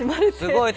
すごい。